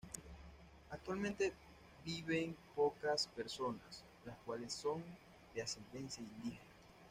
Actualmente viven pocas personas, las cuales son de ascendencia indígena.